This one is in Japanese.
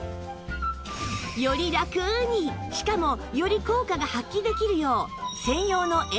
よりラクにしかもより効果が発揮できるよう